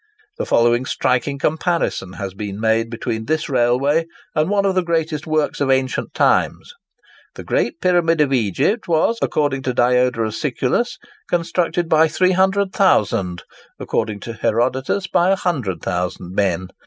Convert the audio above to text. The following striking comparison has been made between this railway and one of the greatest works of ancient times. The Great Pyramid of Egypt was, according to Diodorus Siculus, constructed by 300,000—according to Herodotus, by 100,000—men.